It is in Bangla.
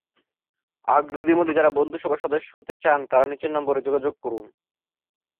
আগ্রহীদের মধ্যে যাঁরা বন্ধুসভায় সদস্য হতে চান, তাঁরা নিচের নম্বরে যোগাযোগ করুন।